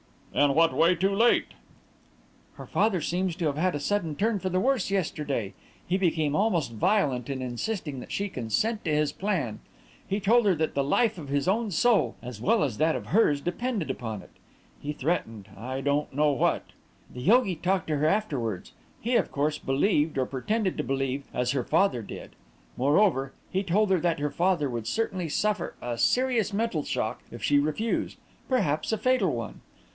"In what way too late?" "Her father seems to have had a sudden turn for the worse yesterday; he became almost violent in insisting that she consent to his plan. He told her that the life of his own soul as well as of hers depended upon it. He threatened I don't know what. The yogi talked to her afterwards. He, of course, believed, or pretended to believe, as her father did; moreover, he told her that her father would certainly suffer a serious mental shock if she refused, perhaps a fatal one.